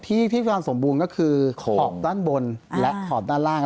ที่ที่ความสมบูรณ์ก็คือขอบด้านบนและขอบด้านล่าง